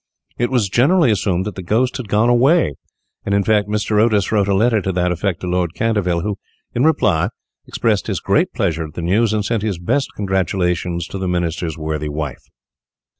It was generally assumed that the ghost had gone away, and, in fact, Mr. Otis wrote a letter to that effect to Lord Canterville, who, in reply, expressed his great pleasure at the news, and sent his best congratulations to the Minister's worthy wife.